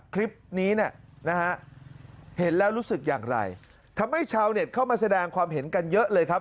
คลิปนี้เนี่ยนะฮะเห็นแล้วรู้สึกอย่างไรทำให้ชาวเน็ตเข้ามาแสดงความเห็นกันเยอะเลยครับ